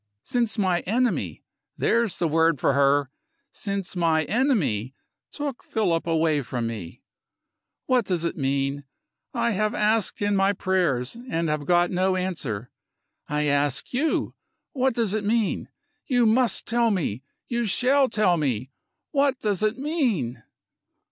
Since my enemy there's the word for her since my enemy took Philip away from me. What does it mean? I have asked in my prayers and have got no answer. I ask you. What does it mean? You must tell me! You shall tell me! What does it mean?"